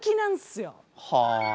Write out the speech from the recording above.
はあ。